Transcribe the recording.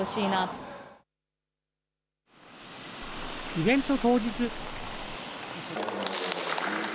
イベント当日。